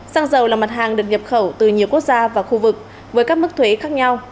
xăng dầu là mặt hàng được nhập khẩu từ nhiều quốc gia và khu vực với các mức thuế khác nhau